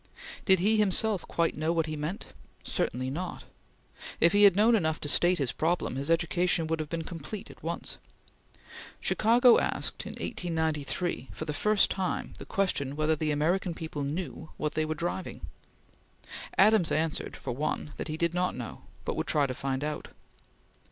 Did he himself quite know what he meant? Certainly not! If he had known enough to state his problem, his education would have been complete at once. Chicago asked in 1893 for the first time the question whether the American people knew where they were driving. Adams answered, for one, that he did not know, but would try to find out.